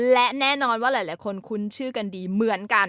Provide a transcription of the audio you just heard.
และแน่นอนว่าหลายคนคุ้นชื่อกันดีเหมือนกัน